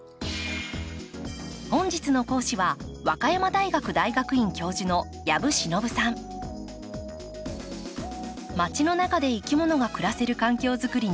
本日の講師は和歌山大学大学院教授のまちの中でいきものが暮らせる環境作りに取り組んで４０年。